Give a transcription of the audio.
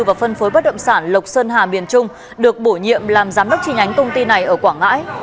và phân phối bất động sản lộc sơn hà miền trung được bổ nhiệm làm giám đốc tri nhánh công ty này ở quảng ngãi